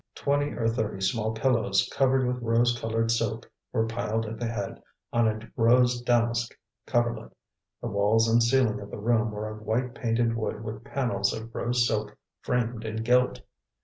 Twenty or thirty small pillows covered with rose colored silk were piled at the head on a rose damask coverlet. The walls and ceiling of the room were of white painted wood with panels of rose silk framed in gilt.